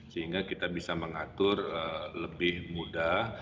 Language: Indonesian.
sehingga kita bisa mengatur lebih mudah